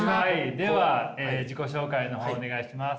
では自己紹介の方お願いします。